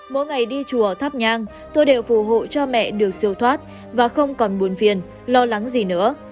mỗi ngày đi chùa tháp nhang tôi đều phù hộ cho mẹ được siêu thoát và không còn buồn phiền lo lắng gì nữa